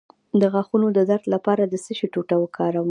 د غاښونو د درد لپاره د څه شي ټوټه وکاروم؟